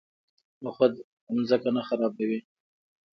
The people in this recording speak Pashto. نخود ځمکه نه خرابوي.